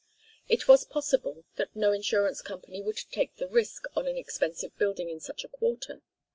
It was possible that no insurance company would take the risk on an expensive building in such a quarter.